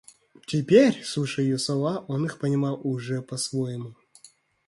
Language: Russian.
Теперь, слушая ее слова, он их понимал уже по-своему.